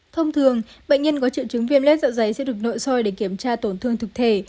thông thường bệnh nhân có triệu chứng viêm lết dạ giấy sẽ được nội soi để kiểm tra tổn thương thực thể